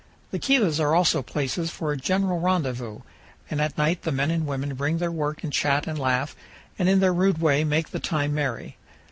The kivas are also places for general rendezvous, and at night the men and women bring their work and chat and laugh, and in their rude way make the time merry.